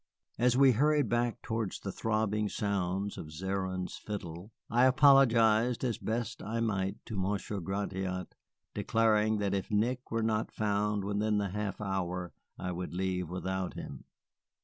As we hurried back towards the throbbing sounds of Zéron's fiddle I apologized as best I might to Monsieur Gratiot, declaring that if Nick were not found within the half hour I would leave without him.